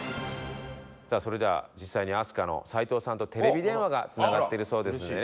「さあそれでは実際に飛鳥の斉藤さんとテレビ電話がつながってるそうですのでね